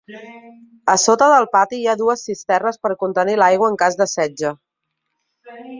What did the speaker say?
A sota del pati hi ha dues cisternes per contenir l'aigua en cas de setge.